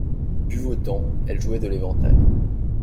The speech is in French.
Buvotant, elle jouait de l'éventail.